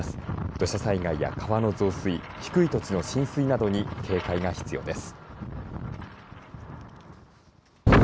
土砂災害や川の増水、低い土地の浸水などに警戒が必要です。